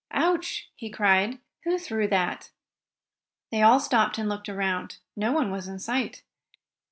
"Ouch!" he cried. "Who threw that?" They all stopped and looked around. No one was in sight.